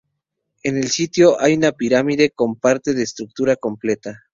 En el sitio hay una pirámide con parte de su estructura completa.